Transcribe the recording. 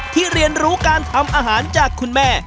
เรียนรู้การทำอาหารจากคุณแม่